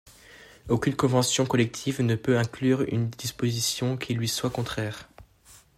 Aucune convention collective ne peut inclure une disposition qui lui soit contraire.